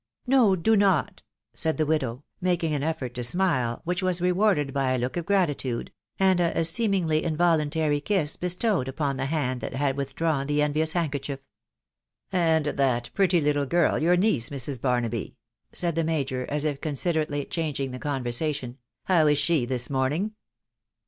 iC No, do not," ... said the widow, making an effort to smile, which was rewarded by a look of gratitude, and a seem ingly involuntary kiss bestowed upon the hand that had with drawn the envious handkerchief. €€ And that pretty little girl, your niece, Mrs. Barnaby," .•.. said the major, as if considerately changing the convers ation ;" how is she this morning